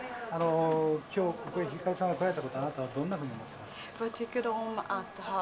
今日ここに光さんが来られたことあなたはどんなふうに思ってます？